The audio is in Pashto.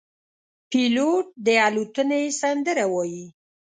پیلوټ د الوتنې سندره وايي.